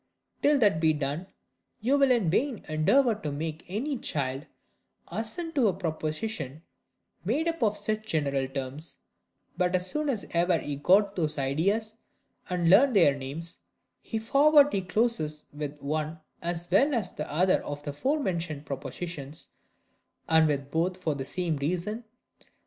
Till that be done, you will in vain endeavour to make any child assent to a proposition made up of such general terms; but as soon as ever he has got those ideas, and learned their names, he forwardly closes with the one as well as the other of the forementioned propositions: and with both for the same reason; viz.